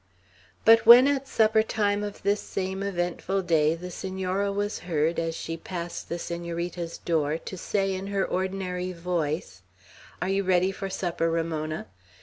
But when at supper time of this same eventful day the Senora was heard, as she passed the Senorita's door, to say in her ordinary voice, "Are you ready for supper, Ramona?"